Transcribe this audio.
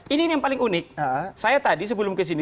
ini yang paling unik saya tadi sebelum kesini